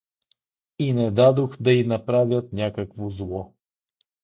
И не дадох да й направят някакво зло.